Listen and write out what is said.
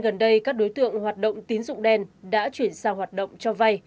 gần đây các đối tượng hoạt động tín dụng đen đã chuyển sang hoạt động cho vay